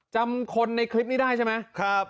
จำคนในคลิปนี้ได้ใช่ไหม